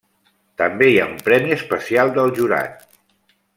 També hi ha un premi especial del jurat.